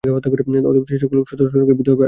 অতএব সে সকল কথা স্মরণ করিয়া ভীত হইবার আবশ্যকতা নাই।